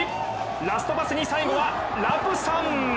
ラストパスに最後はラプサン！